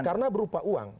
karena berupa uang